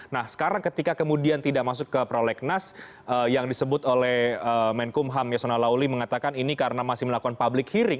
nah sekarang ketika kemudian tidak masuk ke prolegnas yang disebut oleh menkumham yasona lauli mengatakan ini karena masih melakukan public hearing